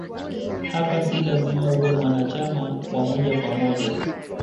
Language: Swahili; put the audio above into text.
Hapa si lazima uwe mwanachama wa moja kwa moja